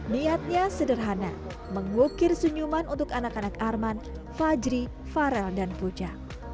niatnya sederhana mengukir senyuman untuk anak anak arman fajri farel dan puja